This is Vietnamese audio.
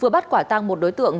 vừa bắt quả tăng một đối tượng